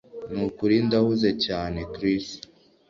Nukuri ndahuze cyane Chris